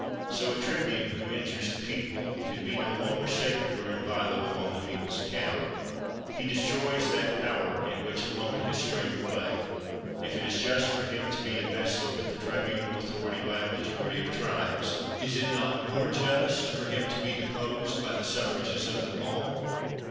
So a tribune who injures the people can be no longer sacred or inviolable on the people's account. He destroys that i)ower in which alone his strength lay. If it is just for him to be invested with the tribunal authority by a majority of tribes, is it not more just for him to be deposed by the suffrages of them all